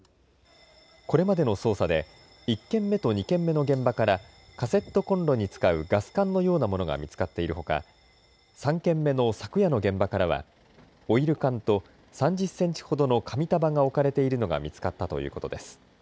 これまでの捜査で１件目と２件目の現場からカセットコンロに使うガス缶のようなものが見つかっているほか３件目の昨夜の現場からはオイル缶と３０センチほどの紙束が置かれているのが見つかったということです。